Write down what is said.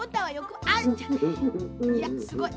いやすごい。